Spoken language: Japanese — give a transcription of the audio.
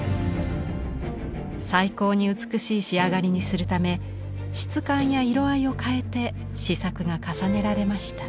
最高に美しい仕上がりにするため質感や色合いを変えて試作が重ねられました。